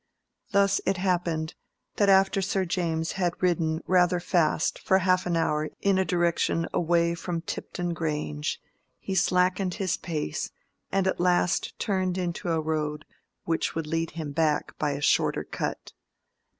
Thus it happened, that after Sir James had ridden rather fast for half an hour in a direction away from Tipton Grange, he slackened his pace, and at last turned into a road which would lead him back by a shorter cut.